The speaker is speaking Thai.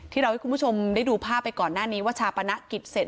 ที่เราให้คุณผู้ชมได้ดูภาพไปก่อนหน้านี้ว่าชาปนกิจเสร็จ